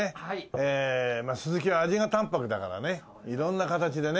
スズキは味が淡泊だからね色んな形でね。